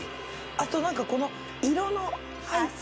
あとなんかこの。